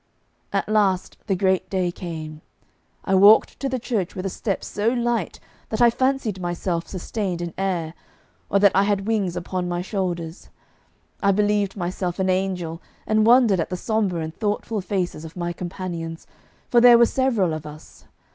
At last the great day came. I walked to the church with a step so light that I fancied myself sustained in air, or that I had wings upon my shoulders. I believed myself an angel, and wondered at the sombre and thoughtful faces of my companions, for there were several of us.